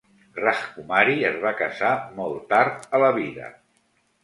Rajkumari es va casar molt tard a la vida.